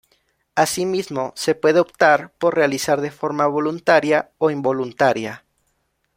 Asimismo se puede optar por realizar de forma voluntaria o involuntaria.